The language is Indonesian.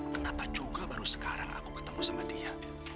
kenapa juga baru sekarang aku ketemu sama dia